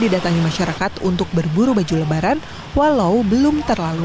belanja sekarang kosong gak banyak terlalu